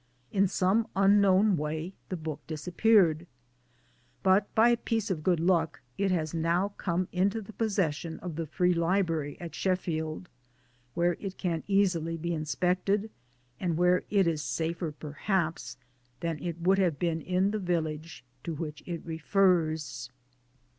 In some unknown way the book disappeared ; but by a piece of good luck, it has now come into the possession of the Free Library at Sheffield, where it can easily be inspected, and where it is safer perhaps than it would have been in the village to which it refers.